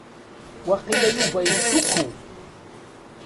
Waqila Yuba Ittcukku.